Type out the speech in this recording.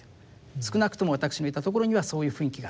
少なくとも私のいた所にはそういう雰囲気があった。